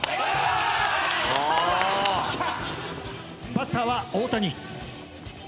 ・バッターは大谷。